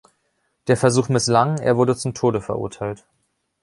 Der Versuch misslang, er wurde zum Tode verurteilt.